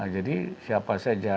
jadi siapa saja